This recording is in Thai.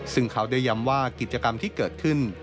ซึ่งเขาได้ย้ำว่ากิจกรรมที่เกิดขึ้น